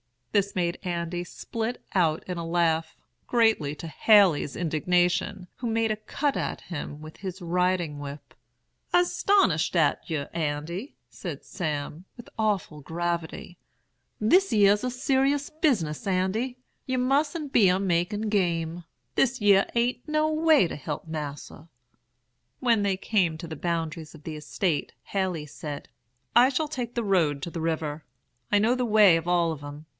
This made Andy split out into a laugh, greatly to Haley's indignation, who made a cut at him with his riding whip. 'I'se 'stonished at yer, Andy,' said Sam, with awful gravity. 'This yere's a seris bisness, Andy. Yer mustn't be a makin' game. This yere a'n't no way to help Mas'r.' "When they came to the boundaries of the estate, Haley said: 'I shall take the road to the river. I know the way of all of 'em.